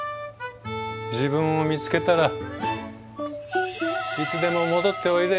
自分を見つけたらいつでも戻っておいで。